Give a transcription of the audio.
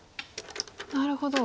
なるほど。